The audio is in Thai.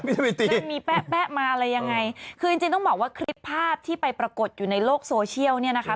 มันมีแป๊ะแป๊ะมาอะไรยังไงคือจริงจริงต้องบอกว่าคลิปภาพที่ไปปรากฏอยู่ในโลกโซเชียลเนี่ยนะคะ